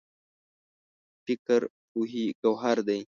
فکر پوهې ګوهر دی.